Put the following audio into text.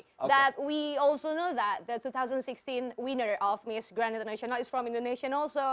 kita juga tahu bahwa pemenang miss grand indonesia dua ribu enam belas adalah dari indonesia